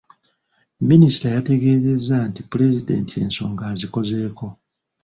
Minisita yategeezezza nti Pulezidenti ensonga azikozeeko.